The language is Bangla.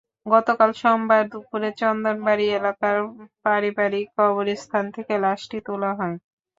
গতকাল সোমবার দুপুরে চন্দনবাড়ি এলাকার পারিবারিক কবরস্থান থেকে লাশটি তোলা হয়।